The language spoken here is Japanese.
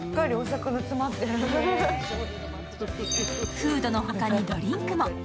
フードの他にドリンクも。